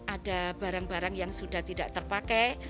ada barang barang yang sudah tidak terpakai